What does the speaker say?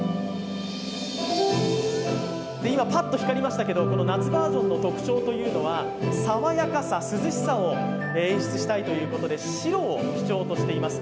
今、ぱっと光りましたが夏バージョンの特徴というのが爽やかさ、涼しさを演出したいということで白を基調としています。